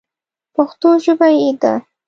پښتو ژبه یې ده.